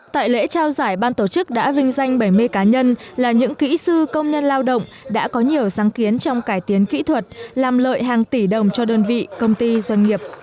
tại lễ trao giải ban tổ chức đã vinh danh bảy mươi cá nhân là những kỹ sư công nhân lao động đã có nhiều sáng kiến trong cải tiến kỹ thuật làm lợi hàng tỷ đồng cho đơn vị công ty doanh nghiệp